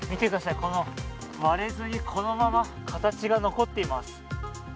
この、割れずにこのまま形が残っています。